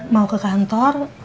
mau ke kantor